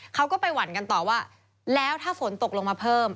เขาก็ไปหวั่นกันต่อว่าแล้วถ้าฝนตกลงมาเพิ่ม